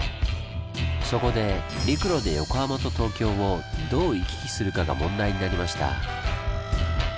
そこで陸路で横浜と東京をどう行き来するかが問題になりました。